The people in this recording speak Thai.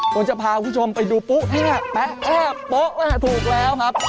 ผมจะพาคุณผู้ชมไปดูปลุ๊ะแห้ะแปะแห้ะโป๊ะแห้ะถูกแล้วครับ